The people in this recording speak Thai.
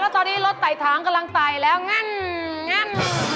ตอนนี้รถไต่ถางกำลังไต่แล้วงั้น